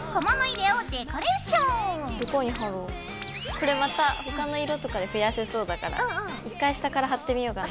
これまた他の色とかで増やせそうだから一回下から貼ってみようかな。